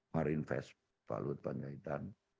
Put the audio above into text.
marine fast value banyaitan